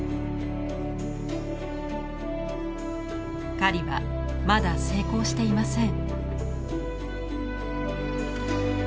狩りはまだ成功していません。